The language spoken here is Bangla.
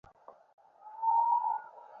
তিনি হঠযোগের পুনরুজ্জীবনে অবদান রেখেছিলেন।